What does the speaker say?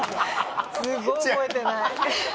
すごい覚えてない。